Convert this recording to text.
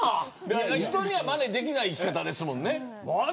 人にはまねできない生き方ですもんね。